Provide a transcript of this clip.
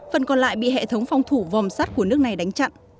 phần còn lại bị hệ thống phòng thủ vòm sắt của nước này đánh chặn